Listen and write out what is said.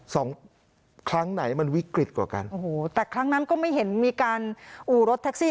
สองครั้งไหนมันวิกฤตกว่ากันโอ้โหแต่ครั้งนั้นก็ไม่เห็นมีการอู่รถแท็กซี่